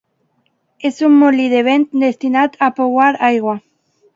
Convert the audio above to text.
És un molí de vent destinat a pouar aigua.